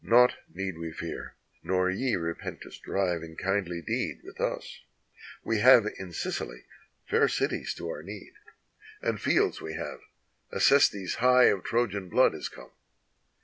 Nought need we fear, nor ye repent to strive in kindly deed With us; we have in Sicily fair cities to our need, 272 .. ^NEAS AT CARTHAGE And fields we have; Acestes high of Trojan blood is come.